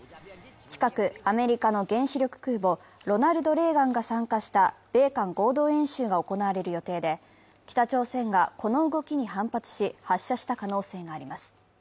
近くアメリカの原子力空母「ロナルド・レーガン」が参加した米韓合同演習が行われる予定で、北朝鮮がこの動きに反発し、発射した可能性があります。